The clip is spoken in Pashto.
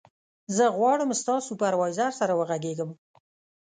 زه غواړم ستا سوپروایزر سره وغږېږم.